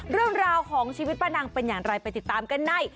เรื่องราวของชีวิตป้านางเป็นอย่างไรไปติดตามกันใน